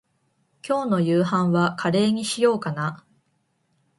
今日の夕飯はカレーにしようかな。